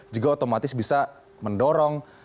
juga otomatis bisa mendorong